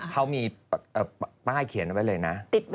เขามีป้ายเขียนเอาไว้เลยนะ